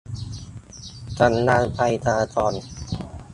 สัญญาณไฟจราจร